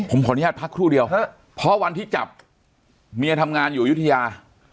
ผมขออนุญาตพักครู่เดียวเพราะวันที่จับเมียทำงานอยู่อยุธยา